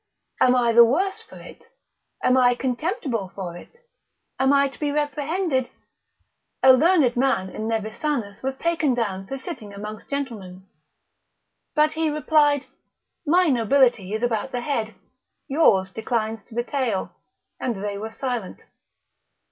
am I the worse for it? am I contemptible for it? am I to be reprehended? A learned man in Nevisanus was taken down for sitting amongst gentlemen, but he replied, my nobility is about the head, yours declines to the tail, and they were silent.